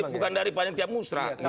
bukan dari panitia musa